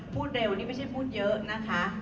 พูดเร็วนี่ไม่ใช่พูดเยอะนะคะ